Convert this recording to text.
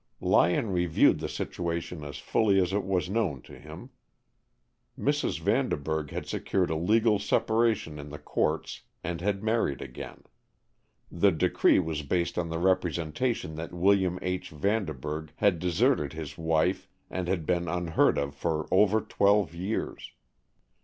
Lyon reviewed the situation as fully as it was known to him. Mrs. Vanderburg had secured a legal separation in the courts and had married again. The decree was based on the representation that William H. Vanderburg had deserted his wife and had been unheard of for over twelve years.